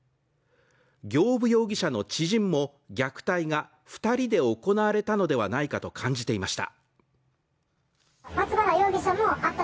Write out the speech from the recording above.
行歩容疑者の知人も、虐待が２人で行われたのではないかと感じていました。